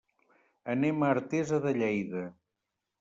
Anem a Artesa de Lleida.